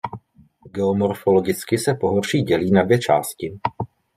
Geomorfologicky se pohoří dělí na dvě části.